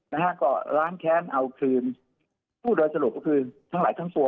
นะฮะก็ล้างแค้นเอาคืนผู้โดยสรุปก็คือทั้งหลายทั้งตัว